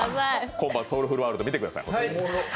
今晩、「ソウルフル・ワールド」見てください。